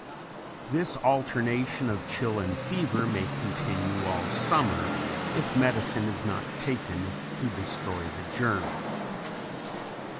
This alternation of chill and fever may continue all summer, if medicine is not taken to destroy the germs.